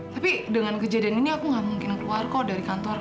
tapi dengan kejadian ini aku nggak mungkin keluar kok dari kantor